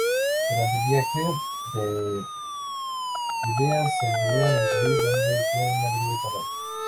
Durante el viaje de ida se detuvieron en París, donde hicieron una breve parada.